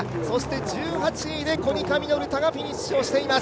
１８位でコニカミノルタがフィニッシュをしています。